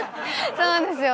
そうなんですよ。